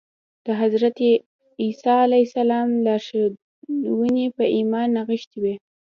د حضرت عیسی علیه السلام لارښوونې په ایمان کې نغښتې وې